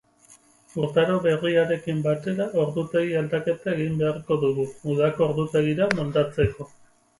Urtaro berriarekin batera ordutegi aldaketa egin beharko dugu, udako ordutegira moldatzeko.